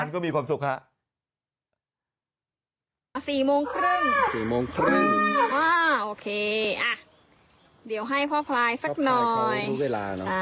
ขอบคุณค่ะด้วย